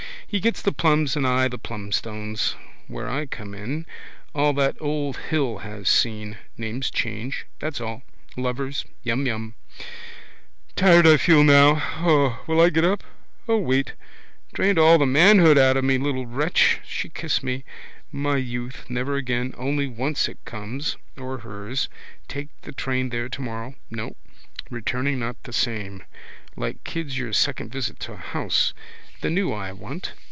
He gets the plums, and I the plumstones. Where I come in. All that old hill has seen. Names change: that's all. Lovers: yum yum. Tired I feel now. Will I get up? O wait. Drained all the manhood out of me, little wretch. She kissed me. Never again. My youth. Only once it comes. Or hers. Take the train there tomorrow. No. Returning not the same. Like kids your second visit to a house. The new I want.